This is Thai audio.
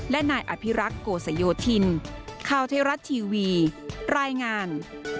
และนายอภิรักษ์โกสโยธินข่าวไทยรัฐทีวีรายงาน